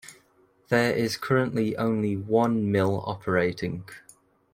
There is currently only one mill operating.